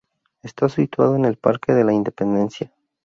Está situado en el Parque de la Independencia.